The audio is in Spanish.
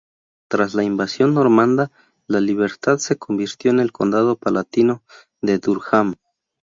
Tras la invasión normanda, la libertad se convirtió en el condado palatino de Durham.